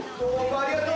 ありがとう！